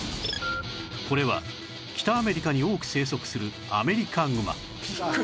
これは北アメリカに多く生息するアメリカグマ